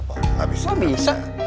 kalau centini sampai berada di sini